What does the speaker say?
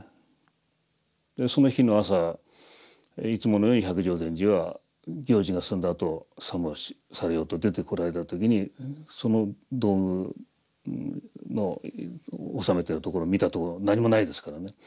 その日の朝いつものように百丈禅師は行事が済んだあと作務をされようと出てこられた時にその道具の収めてるところを見たところ何もないですからね